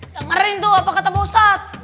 dengerin tuh apa kata bostad